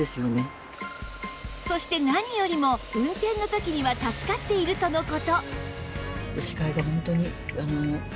そして何よりも運転の時には助かっているとの事